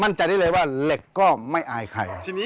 มั่นใจได้เลยว่าเหล็กก็ไม่อายใคร